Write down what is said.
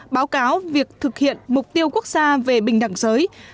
báo cáo việc thực hiện mục tiêu quốc gia về bình đẳng giới